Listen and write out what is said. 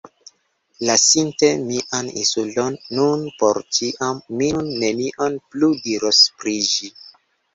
Lasinte mian insulon nun por ĉiam mi nun nenion plu diros pri ĝi.